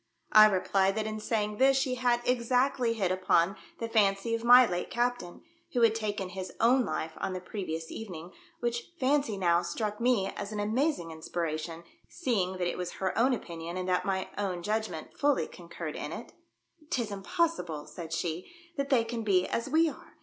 I replied that in saying this she had exactly hit upon the fancy of my late captain, who had taken his own life on the previous evening, which fancy now struck me as an amazing inspiration, seeing that it was her own opinion and that my own judgment fully concurred in it. " 'Tis impossible," said she, " that they can be as we are.